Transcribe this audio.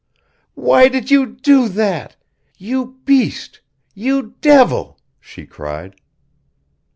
"Why did you do that? You beast, you devil!" she cried.